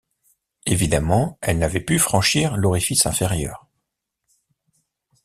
Évidemment, elle n’avait pu franchir l’orifice inférieur!